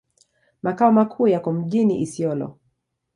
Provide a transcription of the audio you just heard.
Makao makuu yako mjini Isiolo.